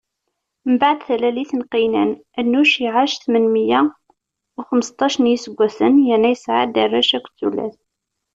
Mbeɛd talalit n Qiynan, Anuc iɛac tmen meyya u xemseṭṭac n iseggasen, yerna yesɛa-d arrac akked tullas.